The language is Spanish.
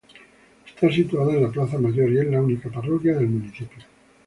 Está situada en la plaza mayor y es la única parroquia del municipio.